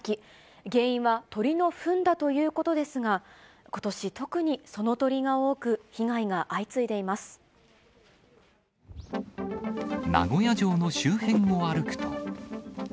原因は鳥のふんだということですが、ことし特にその鳥が多く、名古屋城の周辺を歩くと。